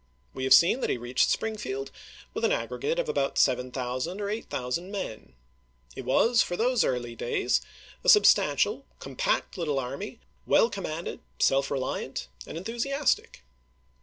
We have i86i!^'wJ'r. seen that he reached Springfield with an aggregate of about 7000 or 8000 men. It was, for those early days, a substantial, compact little army, well com manded, self reliant, and enthusiastic.